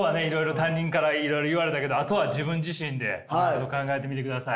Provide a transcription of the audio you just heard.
他人からいろいろ言われたけどあとは自分自身で考えてみてください。